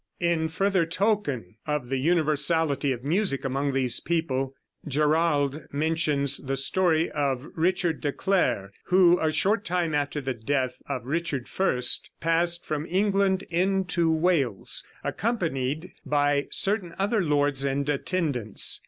In further token of the universality of music among these people, Gerald mentions the story of Richard de Clare, who a short time after the death of Richard I, passed from England into Wales, accompanied by certain other lords and attendants.